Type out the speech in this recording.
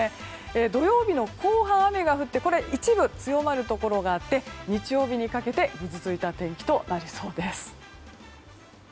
土曜日の後半、雨が降って一部で強まるところがあって日曜日にかけてぐずついた天気となりそうです。